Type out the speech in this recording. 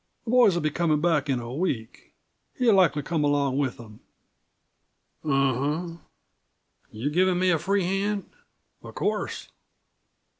"The boys'll be comin' back in a week. He'll likely come along with them." "U um. You're giving me a free hand?" "Of course."